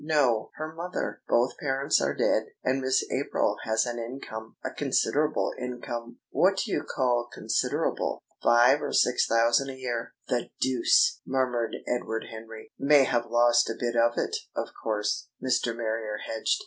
"No; her mother. Both parents are dead, and Miss April has an income a considerable income." "What do you call considerable?" "Five or six thousand a year." "The deuce!" murmured Edward Henry. "May have lost a bit of it, of course," Mr. Marrier hedged.